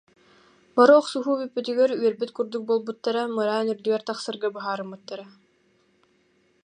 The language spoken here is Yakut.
Бары охсуһуу бүппүтүгэр үөрбүт курдук буолбуттара, мыраан үрдүгэр тахсарга быһаарыммыттара